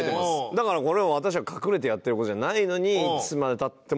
だからこれは私は隠れてやってる事じゃないのにいつまで経ってもおっしゃる。